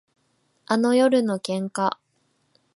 あの夜の喧嘩